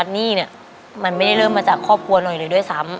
หนี้เนี่ยมันไม่ได้เริ่มมาจากครอบครัวหน่อยเลยด้วยซ้ำ